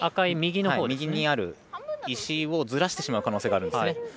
右にある石をずらしてしまう可能性があるんですね。